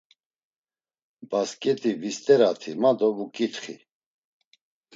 Basǩet̆i visterati ma do vuǩitxi.